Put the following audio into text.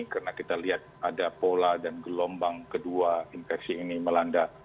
karena kita lihat ada pola dan gelombang kedua infeksi ini melanda